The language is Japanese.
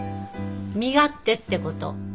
身勝手ってこと。